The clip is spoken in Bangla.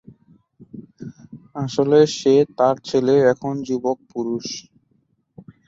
আসলে সে তার ছেলে, এখন যুবক পুরুষ।